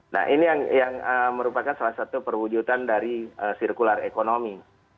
nah ini yang merupakan salah satu perwujudan dari circular economy